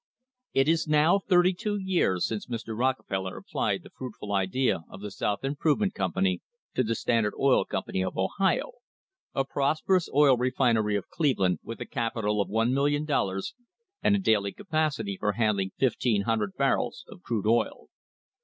It is now thirty two years since Mr. Rockefeller applied the fruitful idea of the South Improvement Company to the Standard Oil Company of Ohio, a prosperous oil refinery of Cleveland, with a capital of $1,000,000 and a daily capacity for handling 1,500 barrels of crude oil.